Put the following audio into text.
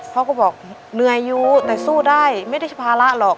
เขาก็บอกเหนื่อยอยู่แต่สู้ได้ไม่ได้ภาระหรอก